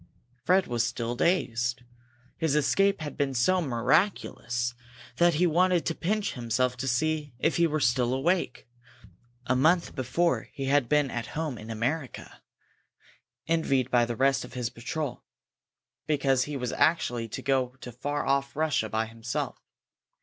Fred was still dazed. His escape had been so miraculous that he wanted to pinch himself to see if he were still awake. A month before he had been at home in America, envied by the rest of his patrol because he was actually to go to far off Russia by himself.